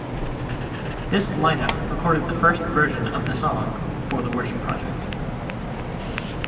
This line-up recorded the first version of the song for "The Worship Project".